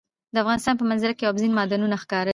د افغانستان په منظره کې اوبزین معدنونه ښکاره ده.